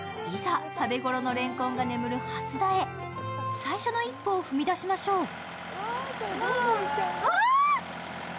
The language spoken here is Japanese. いざ、食べ頃のレンコンが眠る蓮田へ最初の一歩を踏み出しましょう。